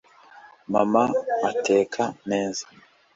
mama ateka neza